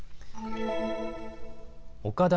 岡田